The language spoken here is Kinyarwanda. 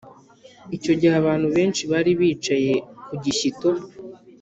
icyo gihe abantu benshi bari bicaye kugishyito